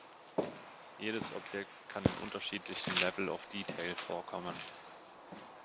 Jedes Objekt kann in unterschiedlichen Level of Detail vorkommen.